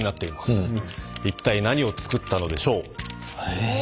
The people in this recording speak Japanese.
一体何を作ったのでしょう？え？